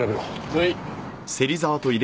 はい。